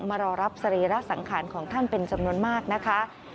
มารอรับสรีระสังขารของท่านเป็นจำนวนมากนะคะ